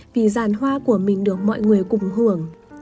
vì dàn hoa của mình được mọi người cùng hưởng